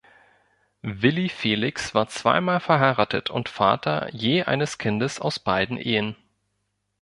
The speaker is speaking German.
Willi Felix war zweimal verheiratet und Vater je eines Kindes aus beiden Ehen.